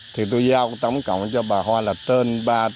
thì tôi giao tổng cộng cho bà hoa là tên ba trăm năm mươi một